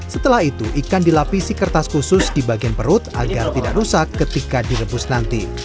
setelah itu ikan dilapisi kertas khusus di bagian perut agar tidak rusak ketika direbus nanti